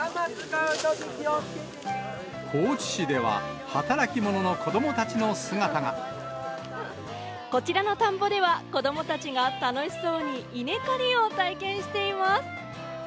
高知市では、こちらの田んぼでは、子どもたちが楽しそうに稲刈りを体験しています。